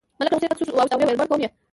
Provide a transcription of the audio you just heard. ملک له غوسې تک سور واوښت او وویل مړ کوم یې.